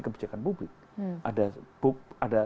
kebijakan publik ada